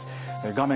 画面